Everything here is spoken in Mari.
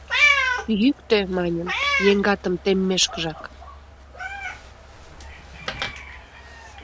— Йӱктӧ, — маньым, — еҥгатым теммешкыжак.